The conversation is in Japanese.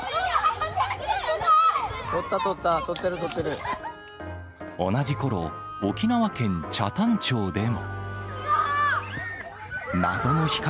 撮った、撮った、撮ってる、同じころ、沖縄県北谷町でも。